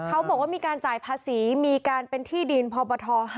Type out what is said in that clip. เขาบอกว่ามีการจ่ายภาษีมีการเป็นที่ดินพบท๕